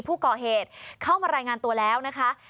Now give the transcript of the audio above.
ผู้ก่อเหตุเข้ามารายงานตัวแล้วนะคะ